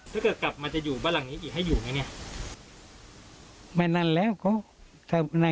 ถ้าเกิดกลับมาจะอยู่บ้านหลังนี้อีกให้อยู่ไหมเนี่ย